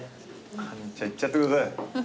半チャいっちゃってください。